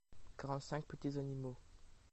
quarante cinq petits animaux.